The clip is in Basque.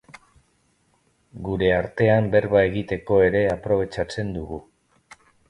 Gure artean berba egiteko ere aprobetxatzen dugu.